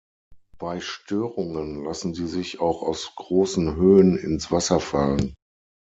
Bei Störungen lassen sie sich auch aus großen Höhen ins Wasser fallen.